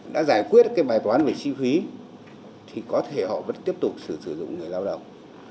đã giải quyết cái bài toán về chi phí thì có thể họ vẫn tiếp tục sử dụng người lao động